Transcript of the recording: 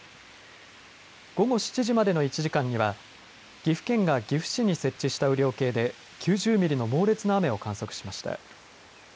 午後７時までの１時間には岐阜県が岐阜市に設置した雨量計で９０ミリの猛烈な雨を観測しました。